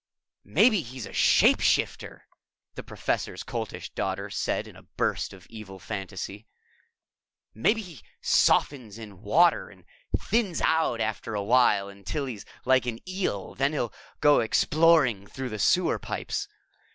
"Maybe he's a shape changer," the Professor's Coltish Daughter said in a burst of evil fantasy. "Maybe he softens in water and thins out after a while until he's like an eel and then he'll go exploring through the sewer pipes.